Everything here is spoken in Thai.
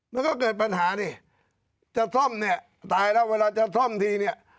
มันก็เกิดปัญหานี่จะซ่อมเนี่ยตายแล้วเวลาจะซ่อมทีเนี่ย